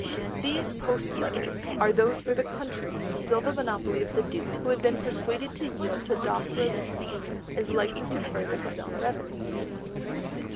These "post letters" are those for the country, still the monopoly of the Duke, who had been persuaded to yield to Dockwra's scheme as likely to further his own revenue.